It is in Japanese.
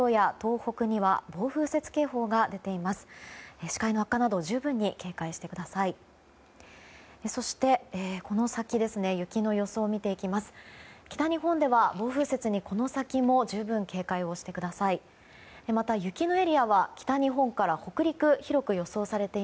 北日本では暴風雪に、この先も十分警戒をしてください。